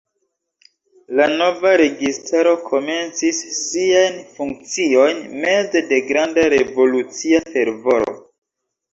La nova registaro komencis siajn funkciojn meze de granda revolucia fervoro.